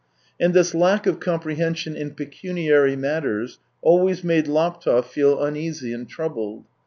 And this lack of comprehension in pecuniary matters, always made Laptev feel uneasy and troubled.